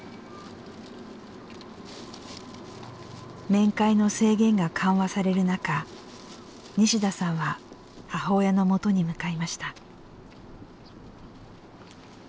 面会の制限が緩和される中西田さんは母親のもとに向かいました。